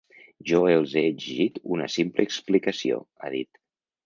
Jo els he exigit una simple explicació, ha dit.